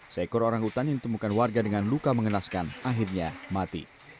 se ekor orangutan yang ditemukan warga dengan luka mengenaskan akhirnya mati